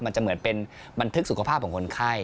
มันจะเหมือนเป็นบันทึกสุขภาพของคนไข้